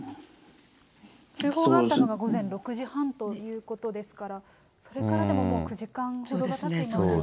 通報があったのが午前６時半ということですから、それからでも、もう９時間ほどがたっていますので。